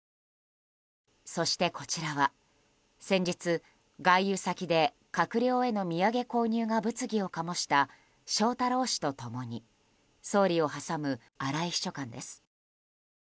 そして、こちらは先日、外遊先で閣僚の土産購入が物議を醸した翔太郎氏と共に総理を挟む荒井秘書官です。